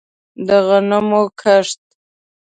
د غنمو کښت